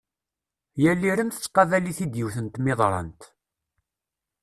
Yal irem tettqabal-it-id yiwet n tmiḍrant.